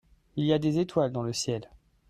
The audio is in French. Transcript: Il y a des étoiles dans le ciel.